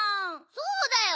そうだよ！